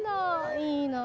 いいなぁ。